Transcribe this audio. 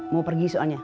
mau pergi soalnya